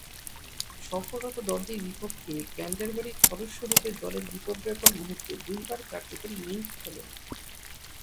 সফররত দলটির বিপক্ষে ক্যান্টারবারির সদস্যরূপে দলের বিপর্যয়কর মুহুর্তে দুইবার কার্যকরী ইনিংস খেলেন।